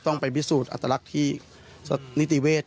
ไปพิสูจน์อัตลักษณ์ที่นิติเวศ